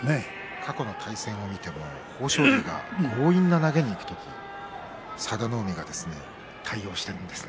過去の対戦を見ても豊昇龍が強引な投げにいく時佐田の海が対応しているんですね